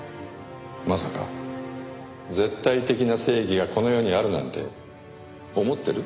まさか絶対的な正義がこの世にあるなんて思ってる？